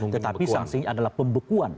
tetapi sanksinya adalah pembekuan